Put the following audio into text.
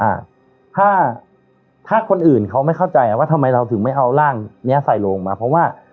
อ่าถ้าถ้าคนอื่นเขาไม่เข้าใจอ่ะว่าทำไมเราถึงไม่เอาร่างเนี้ยใส่ลงมาเพราะว่า